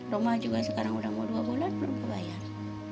rumah juga sekarang sudah mau dua bulan belum kebayar